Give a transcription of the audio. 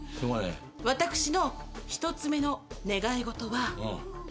私の１つ目の願い事は。